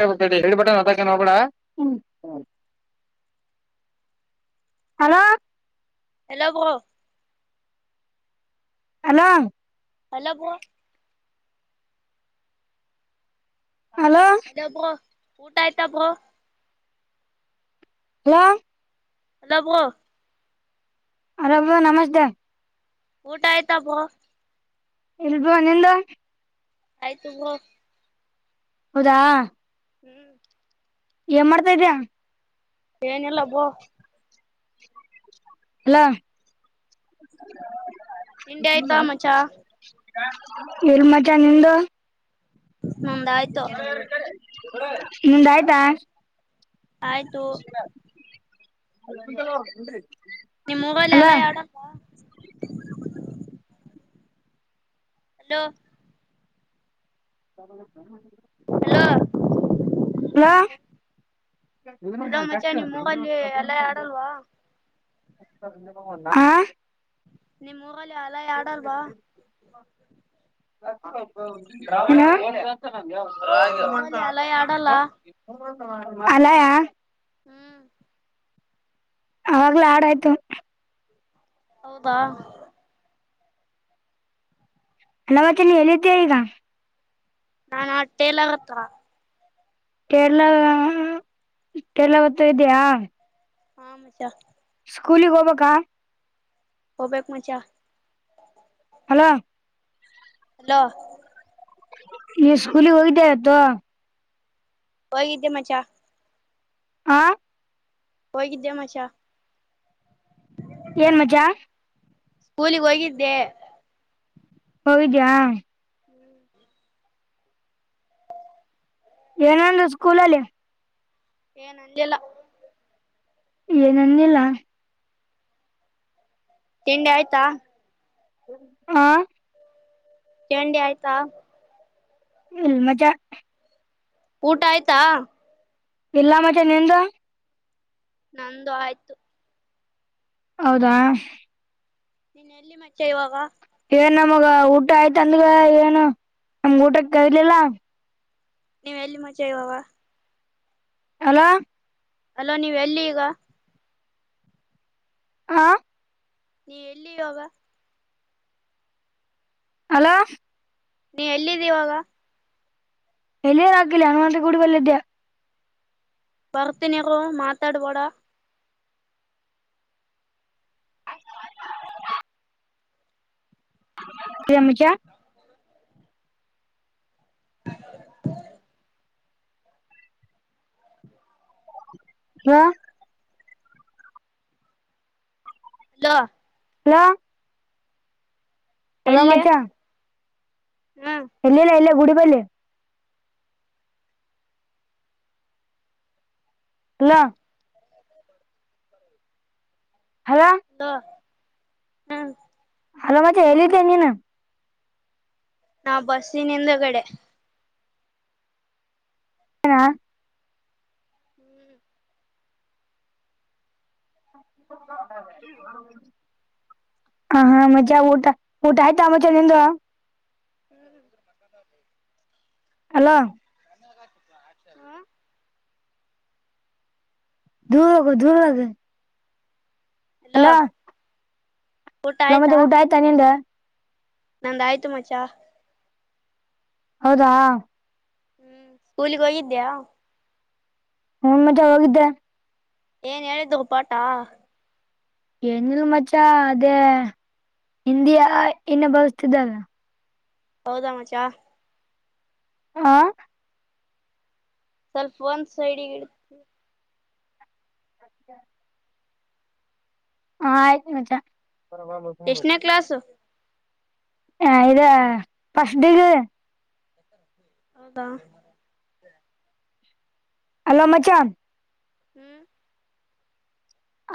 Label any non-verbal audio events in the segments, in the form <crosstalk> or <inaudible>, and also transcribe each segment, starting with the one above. ಹೇಳಿ ಹೋಗ್ಬೇಡ. Hello hello hello ಅಲ್ಲ <unintelligible> ಹಲೋ ಊಟ ಆಯ್ತಾ bro hello hello bro hello bro ನಮಸ್ತೆ ಊಟ ಆಯ್ತ ಬ್ರೋ ಇಲ್ಲ ಬ್ರೋ ನಿಂದು ಆಯ್ತು ಬ್ರೋ ಹೌದಾ <inaudible> ಏನ್ ಮಾಡ್ತಾಯಿದಿಯ ಏನಿಲ್ಲ ಬ್ರೋ ಹಲೋ ತಿಂಡಿ ಆಯ್ತಾ ಮಚ್ಚ ಇಲ್ಲ ಮಚ್ಚ ನಿಂದು ನಂದ ಆಯ್ತು ನಿಂದ್ ಆಯ್ತಾ ಆಯ್ತು <unintelligible> ನಿಮ್ಮ ಊರಲ್ಲಿ ಹಲೋ ಎಲ್ಲಾ ಹಲೋ <inaudible> ಹಲೋ ಹಲೋ ಹಲೋ ಮಚ್ಚಾ ನಿಮ್ ಊರಲ್ಲಿ ಎಲ್ಲ ಆಡಲ್ವಾ ಹ ನಿಮ್ಮ ಊರಲ್ಲಿ ಅಲೆ ಆಡಲ್ವಾ ಏನು <unintelligible> ಅಡಲ್ವಾ ಆಲಯ ಹ್ಮ್ ಅವಾಗ್ಲ ಆಡಿ ಆಯ್ತು ಹೌದಾ ಅವತ್ತೆ ನೀ ಎಲ್ಲಿದ್ದೀ ಈಗ ನಾನು ಟೈಲರ್ ಹತ್ತಿರ ಟೈಲರ್ ಹತ್ತಿರ ಇದ್ದೀಯ ಹಾ ಮಚ್ಚ ಸ್ಕೂಲಿಗೆ ಹೋಗ್ಬೇಕ ಹೋಗಬೇಕು ಮಚ್ಚ ಹಲೋ ಹಲೋ ಈ ಸ್ಕೂಲಿಗೆ ಹೋಗಿದ್ದೆ ಆಯ್ತು ಹೋಗಿದ್ದೆ ಮಚ್ಚ ಹಾ ಹೋಗಿದ್ದೆ ಮಚ್ಚ ಏನ್ ಮಚ್ಚ ಸ್ಕೂಲಿಗೆ ಹೋಗಿದ್ದೆ ಹೋಗಿದ್ಯಾ ಏನಂದರು ಸ್ಕೂಲಲ್ಲಿ ಏನಂದಿಲ್ಲ ಏನನ್ನಿಲ್ಲ ತಿಂಡಿ ಆಯ್ತಾ ಹಾ ಚಂಡಿ ಆಯ್ತಾ ಹ್ಮ ಮಜಾ ಊಟ ಆಯ್ತಾ ಇಲ್ಲ ಮತ್ತೆ ನಿಂದು ನಂದು ಆಯ್ತು ಹೌದಾ ನೀನ್ ಎಲ್ಲಿ ಮಚೆ ಇವಾಗ ಏನ್ ನಮಗ ಊಟ ಆಯ್ತ ಅಂದ್ರ ಏನು ನಮ್ಗ ಊಟಕ್ಕೆ ಇರ್ಲಿಲ್ಲ ನೀ್ ಎಲ್ಲಿ ಮಜೆ ಇವಾವ ಎಲ್ಲ ಅಲೋ ನೀವ್ ಎಲ್ಲಿ ಈಗ ಹಾ ನೀ ಎಲ್ಲಿ ಯೋಗ ಹಲೋ ನೀ ಎಲ್ಲಿದ್ದೀವಾಗ ಎಲೆಯ ರ ಆಕಿಲ್ಲ ಅನು ಮೆ ಕೂಡಿ ಬಲ್ಲದ ಭರ್ತ ನೀರು ಮಾತಾಡುಬೋಡ ಪ್ರಮ್ಮಜ ಉ ಹ ಹಲೋ ಹಲೋ ಹಲೋ ಎಲ್ಲಿ ಮಾಚಾ ಹ್ಮ್ ಎಲ್ಲಲ್ಲ ಇಲ್ಲ ಗುಡಿಬಲ್ಲಿ ಹಲೋ ಹಲೋ ಹ್ಮ ಅಲ ಮತ್ತೆ ಹೇಳಿದ್ದೆ ನೀನು ನಾ ಬಸ್ಸಿನಿಂದಗಡೆ ಹನಾ ಹ್ಮ್ ಖಡಗ ಹ ಹಾ ಮ್ಜಾ ಊಟ ಊಟ ಆಯ್ತಾ ಮಜೆ ನಿಂದು ಹ್ರ ಅಲೋ ಹ ತೂಗ ದುಗ ಅಲೋ ಹಲೋ ಎ ಮತ್ತೆ ಊಟ ಆಯ್ತಾ ನಿಂದ ನಂದ ಆಯ್ತು ಮಚಾ ಹೌದಾ ಹ್ಮ್ ಸ್ಕೂಲಿಗೆ ಹೋಗಿದ್ದ್ಯಾ ಹ್ಮ ಮಜೆ ಹೋಗಿದ್ದೆ ಏನ್ ಹೇಳಿದ್ದು ಪಾಟಾ ಏನಿಲ್ ಮಚ ಅದೇ ಹಿಂದಿಯ ಇನ್ನ ಬಾವಿಸತಿದ್ದಾವ ಹೌದಾಮಚಾ ಹಾ ಸ್ವಲ್ಪ ಒಂದ್ ಸೈಡ್ಗೆ ಇಡ ಹಾ ಆಯ್ತು ಮಜಾ ಎಷ್ಟನೇ ಕ್ಲಸ್ ಇದು ಫಸ್ಟ್ ಡಿಗ್ರಿ ಹೌದಾ ಹಲೋ ಮಚಾ ಹ್ಮ್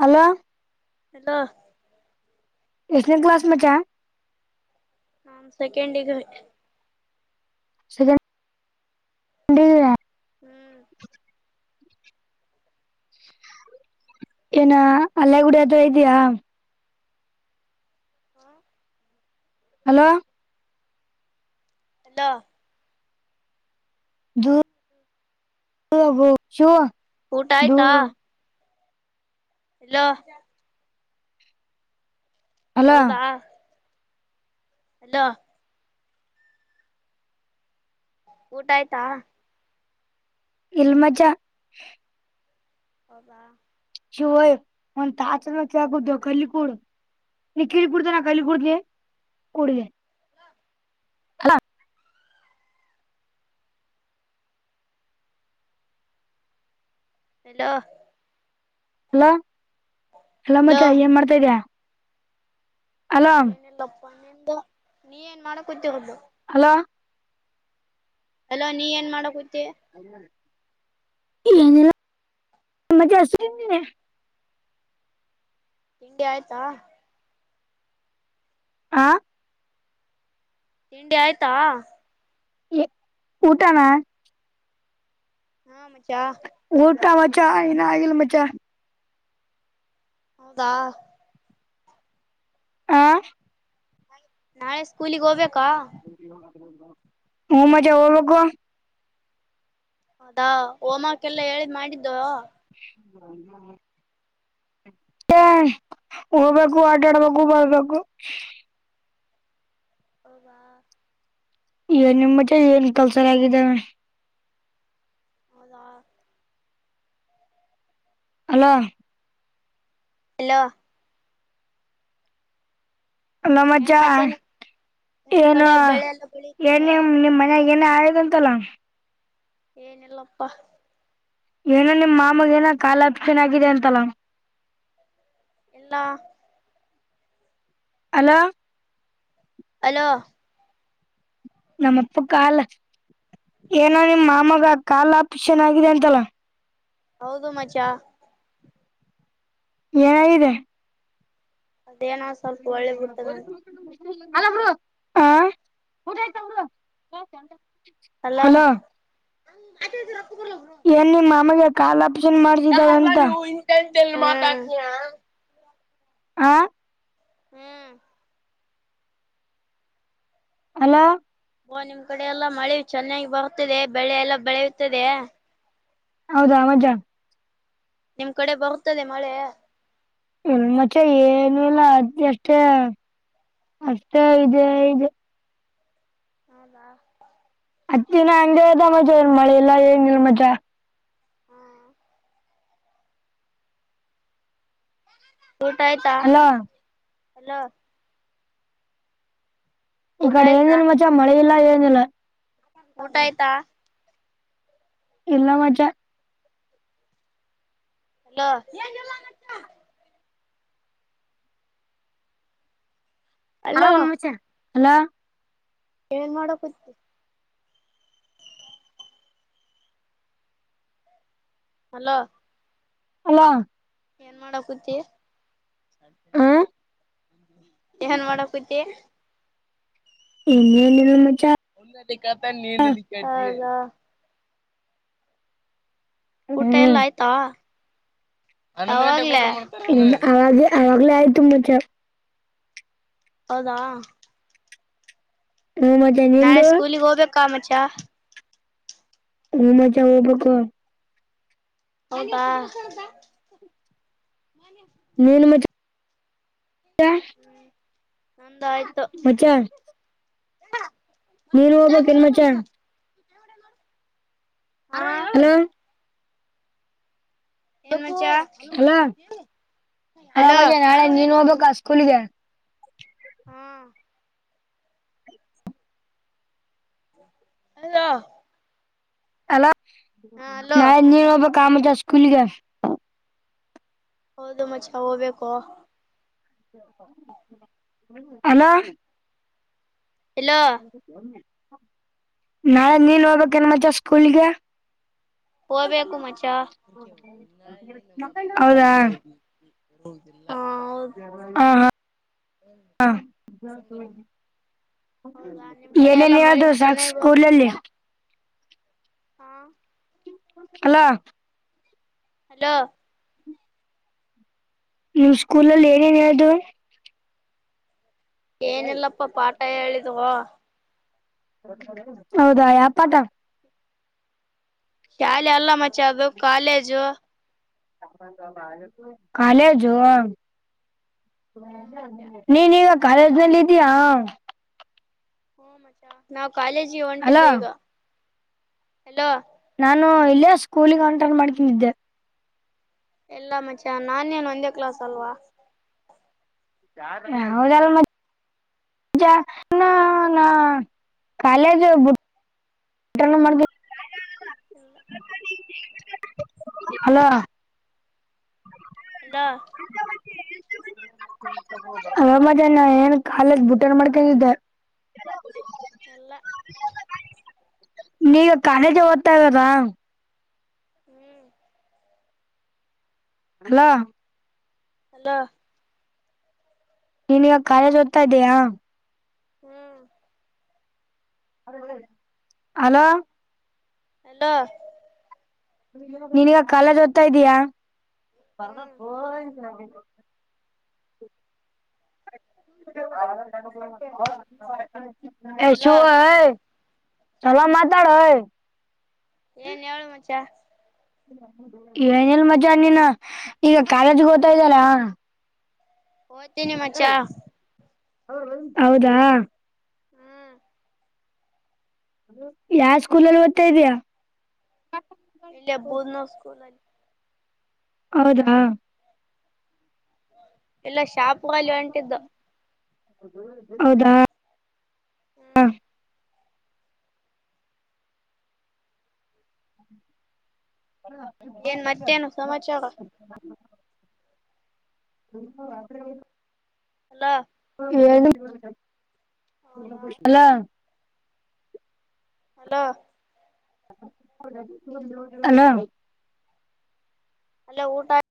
ಅಲ ಎಲ್ಲಾ ಎಷ್ಟನ ಕ್ಲಾಸ್ ಮ ಕ ಹ ಸೆಕೆಂಡಗ ಗ ಹ್ಮ್ ಏನ ಅಲ್ಲೆ ಗುಡಿ ಅದ ಇದಯಾ ಹ್ಮ ಹಲೋ ಅಲೋ ಊಟ <inaudible> ಹಲೋ ಅಲೋ ಹೌದಾ ಅಲ್ಲೋ ಊಟ ಆಯ್ತಾ ಇಲ್ ಮಜಾ ಹದಾ ಒ ತಾತ ಮ ಕವ ಕುದು ಗಲಿಕೂಡ ನಿ ಕಲಿ ಕುಡತ ನ ಕಲಿ ಕುಡತ ಕೊೂಡಿದೆ ಹಲೋ ಅಲ ಎಲ ಎಲ್ಲೋ ಮಚೆ ಏನ್ ಮಾಡ್ತಾ ಇದ್ಯಾ ಅಲಾಮ ನಿಮ್ದ ನೀ ಏನ್ ಮಾಡ ಕೂತಿರೋದದು ಅಲೋ ಅಲ ನೀ ಏನ್ ಮಾಡಕೂ ಮತ್ತ ತಿಂಡಿ ಆಯ್ತಾ ಆ ತಿಂಡಿ ಆಯ್ತಾ ಎ ಊಟಾಮ ಹಾ ಮ ಚಾ ಟ್ಟ ಮಚಾ ನ ಅ ಇಲು ಮಚಾ ಹೌದಾ ಹಾ ನಾಳೆ ಸ್ಕೂಲಿಗೆ ಹೋಗ್ಬೇಕಾ ಹ ಮಜಾ ಹೋಗೋಗುವ ಹದಾ ಓಮಕ್ಕೆಲ್ಲ ಹೇಳಿದ್ ಮಾಡಿದ್ದ ಹ್ಮ ಹಾ ಹ ಹೋಗ್ಬೇಕು ಆಟ ಆಡ್ಬೇಕು ಬರ್ಬೇಕು ಓವಾ ನಿಮ್ಮ ಮಜ ಏನ್ ಕೆಲ್ಸರಗಿದಾವೆ ಹೌದಾ ಅಲ ಹಲೋ ಹೆಂಗ್ ನಮ್ಮಜ್ಜಾ ಮಚ್ಚಾ ನಿಮ್ ನಿಮ್ ಏನು ಕಡೆ ಬೆಳೆ ಎಲ್ಲ ಏನ ಬೆಳೀತವೆ ನಿಮ್ಮ್ ಮನ ಏನ್ ಆಯದಂತಲ್ಲ ಏನಿಲ್ಲಪ. ಏನ ನಿಮ್ ಮಾಮಗೇನ ಕಾಲ್ ಆಪರೇಷನ್ ಆಗಿದೆ ಅಂತಲ್ಲ. ಇಲ್ಲಾ. ಹಲೋ. ಹಲೋ. ನಮ್ಮಪ್ಪಗ ಕಾಲ್. ಏನೋ ನಿಮ್ಮ ಮಾಮಗ ಕಾಲ್ ಆಪರೆಷನ್ ಆಗಿದೆ ಅಂತಲ್ಲ. ಹೌದು ಮಚ್ಚಾ. ಏನಾಗಿದೆ. ಅದೇನೋ ಸ್ಪಲ್ಪ ಹೊಳ್ಳಿ ಬಿಟ್ಟದಂತೆ. ಹಲೋ ಬ್ರೋ ಹ್ಮ ಊಟ ಆಯ್ತ ಬ್ರೋ. ಹಲೋ. ಏನ್ ನಿಮ್ಮ ಮಾಮಗೆ ಕಾಲ್ ಆಪರೇಷನ್ ಮಾಡ್ಸಿದಾಳ ಅಂತ. <unintelligible> ಹಾ. ಹ್ಮ್. ಹಲೋ. ಓ ನಿಮ್ ಕಡೆ ಎಲ್ಲಾ ಮಳೆ ಚೆನ್ನಾಗಿ ಬರುತ್ತದೆ ಬೆಳೆ ಎಲ್ಲಾ ಬೆಳೆಯುತ್ತದೆ. ಹೌದಾ ಮಜಾ. ನಿಮ್ ಕಡೆ ಬರುತ್ತದೆ ಮಳೆ. ಮಚ್ಚಾ ಏನು ಇಲ್ಲ ಎಷ್ಟೇ. ಅಷ್ಟೇ ಇದೆ ಇದೆ. ಹೌದಾ. ಹತ್ತು ದಿನ ಹಂಗೆ ಇದೆ ಮಚ್ಚಾ ಇಲ್ಲಿ ಮಳೆ ಎಲ್ಲಾ ಏನಿಲ್ಲ ಮಚ್ಚಾ. ಹ್ಮ ಊಟ ಆಯ್ತಾ ಅಲ್ಲ ಹಲೋ. ಈ ಊಟ ಕಡೆ ಆಯ್ತಾ ಏನಿಲ್ಲ ಮಚಾ ಮಳೆ ಇಲ್ಲ ಏನಿಲ್ಲ. ಊಟ ಆಯ್ತಾ. ಇಲ್ಲ ಮಚಾ. ಹಲೋ ಏನಿಲ್ಲ ಮಚಾ. ಅಲೋ ಆರಾಮ ಮಚಾ ಹಲೋ. ಏನ್ ಮಾಡಕುಂತಿ. <inaudible> ಹಲೋ. ಹಲೋ. ಏನ್ ಮಾಡಕುಂತಿ. ಹಾ ಎನ್ ಮಾಡಕುಂತಿ. ಏನಿಲ್ಲ ಮಚ್ಚಾ <unintelligible> ಊಟ ಎಲ್ಲ ಹ್ಮ್ ಆಯ್ತಾ <unintelligible> ಹ್ಮ ಅವಾಗ ಆವಾಗ್ಲೇ ಆಯ್ತು ಮಚ್ಚಾ. ಹೌದಾ. ಹ್ಞೂ ಮಚ್ಚ ನಾಳೆ ನಿಂದು ಸ್ಕೂಲಿಗೆ ಹೋಗ್ಬೇಕಾ ಮಚ್ಚಾ. ಹು ಮಚ್ಚಾ ಹೋಗ್ಬಕು. ಹೌದಾ. ನೀನು ಮಚ್ಚಾ. ನಂದು ಆಯ್ತು. ನೀನು ಹೋಗಬೇಕಿಲ್ ಮಚ್ಚಾ. ಹ. ಹಲೋ. ಏನ್ ಮಚ್ಚ ಹಲೋ ಆ ಹಲೋ ಮಚ್ಚಾ ನಾಳೆ ನೀನ್ ಹೋಗ್ಬೇಕಾ ಸ್ಕೂಲ್ಗೆ. ಹ್ಮ. ಹಲೋ. ಅಲ್ಲ ಹಲೋ ನಾ ನೀನ್ ಹೋಗಬೇಕ ಆಮಜ ಸ್ಕೂಲ್ಗೆ. ಹೌದು ಮಚ್ಚ ಹೋಗ್ಬೇಕು. ಅಲೋ. ಎಲ್ಲೋ ನಾಳೆ ನೀನ್ ಹೋಗ್ಬೇಕನಮ್ಮಚ ಸ್ಕೂಲ್ಗೆ. ಹೋಗ್ಬೇಕು ಮಚ್ಚ ಹೌದಾ. ಹಾ ಹೌದು. ಹಾ ಹಾ ಹಾ. ಹೌದಾ ನಿಮ್ ಕಡೆ ಏನೇನ ಎಲ್ಲಾ ಮಳಿ ಅೂ ಸಾಕ್ ಚೆನ್ನಾಗಿ ಬ ಸ್ಕೂಲಲ್ಲಿ. ಹಾ. ಅಲ್ಲೋ. ಹಲೋ. ನಿಮ್ ಸ್ಕೂಲಲ್ಲಿ ಏನೇನು ಹೇಳದು. ಏನಿಲ್ಲಪ್ಪ ಪಾಠ ಹೇಳಿದವು. ಹೌದಾ ಯಪ್ಪಾಟ. ಶಾಲೆ ಅಲ್ಲ ಮಚ್ಚ ಅದು ಕಾಲೇಜು. ಕಾಲೇಜು. ಹ್ಮ ನೀ ನೀ ಕಾಲೇಜನಲ್ಲಿ ಇದ್ಯಾ. ನಾವು ಕಾಲೇಜಿ ಅಲ್ಲ ಹೊಂಟಿದ್ದು ಈಗ ಹಲೋ. ನಾನು ಇಲ್ಲೇ ಸ್ಕೂಲಿಗೆ ಆಂಟನ್ ಮಾಡ್ಕೊಂಡಿದ್ದೆ ಎಲ್ಲ ಮಚ್ಚ ನಾನೇನು ಒಂದೇ ಕ್ಲಾಸ್ ಅಲ್ವಾ. ಹೌದ ಮ. ನ ಕಾಲೇಜ್. <unintelligible> <inaudible> ಹಲೋ. ಅಲೋ. <unintelligible> ಅ ಮಜ ನ ಏನ್ ಕಾಲದ ಬುಟ್ಟನ್ ಮಾಡ್ಕೊಂಡಿದ್ದೆ. ಎಲ್ಲ ನೀಗ ಕಾಲೇಜ್ ಓದ್ತಾ ಇದಾರಾ. <inaudible> ಹಲೋ. ಹಲೋ. ನೀನ್ವ ಕಾಲೇಜ್ ಓದ್ತಾ ಇದ್ದೀಯಾ. ಹ್ಮ್. ಹಲೋ. ಹಲ್ಲೋ. ನೀನಿಗ ಕಾಲೇಜ್ ಓದ್ತಾ ಇದ್ದೀಯ. ಹ್ಮ್ <unintelligible> ಎಶೋ ಅಲೋ ಆಯ. ಹಲ್ಲ ಮಾತಾಡ ಓಯ್. ಏನ್ ಎಳು ಮಚಾ. ಏನಿಲ್ ಮಜ ನೀಿನ ಈಗ ಕಾಲೇಜ್ಗೆ ಹೋಗ್ತಾ ಇದ್ದಾರ ಓತಿನಿ ಮಚಾ. ಹೌದಾ. ಹ್ಮ್. ಯಾವ ಸ್ಕೂಲಲ್ಲಿ ಓದ್ತಾ ಇದ್ಯಾ. ಇಲ್ಲಿ ಹಬ್ಬೋದ್ ನಾವ್ ಸ್ಕೂಲ್ ಅಲ್ಲಿ. ಹೌದಾ. ಎಲ್ಲ ಶಾಪಗಾಲ ಅಂಟಿದ್ದು. ಹೌದಾ ಹ. ಹ್ಮ್ ಏನ್ ಮತ್ತೇನು ಹ ಸಮಾಚಾರ <inaudible> ಹ <inaudible> ಅಲ್ಲ ಏಳ ಅಲ ಅಲೋ ಅಲೋ ಅಲ್ಲ ಊಟ